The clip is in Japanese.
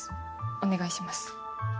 お願いします。